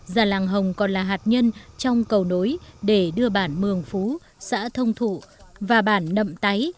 già làng hồng còn là hạt nhân trong cầu nối để đưa bản mường phú xã thông thụ và bản nậm táy